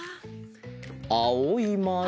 あおいまる。